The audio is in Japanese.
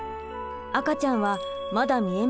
赤ちゃんはまだ見えません。